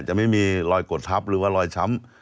จะไม่มีรอยกดทับหรือว่ารอยช้ำ